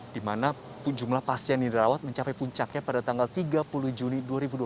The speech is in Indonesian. di mana jumlah pasien yang dirawat mencapai puncaknya pada tanggal tiga puluh juni dua ribu dua puluh